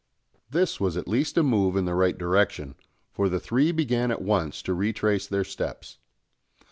This was at least a move in the right direction; for the three began at once to retrace their steps.